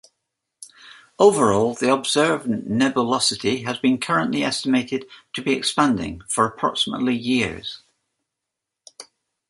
Overall, the observed nebulosity has been currently estimated to be expanding for approximately years.